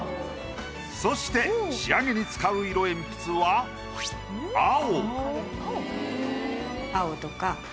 そして仕上げに使う色鉛筆は青。